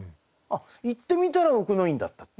あっ行ってみたら奥の院だったと。